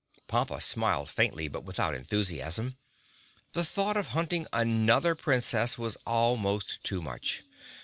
Pompa smiled faintly, but without enthusiasm. The thought of hunting another Princess was almost too much.